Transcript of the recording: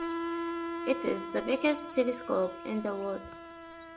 It is the biggest telescope in the world.